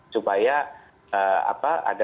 supaya apa ada